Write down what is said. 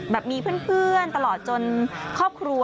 แบบมีเพื่อนตลอดจนครอบครัว